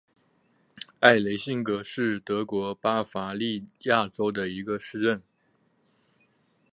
埃雷辛格是德国巴伐利亚州的一个市镇。